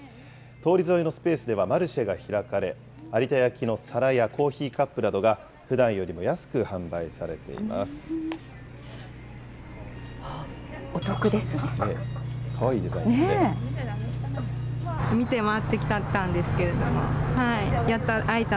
通り沿いのスペースではマルシェが開かれ、有田焼の皿やコーヒーカップなどが、ふだんよりも安く販売されています。